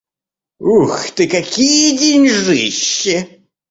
Ух ты, какие деньжищи!